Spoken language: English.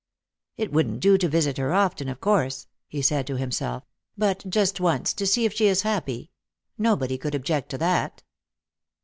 " It wouldn't do to visit her often, of course," he said to him self; " but just once, to see if she is happy ; nobody could object to that."